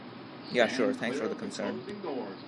Ya sure! Thanks for the concern.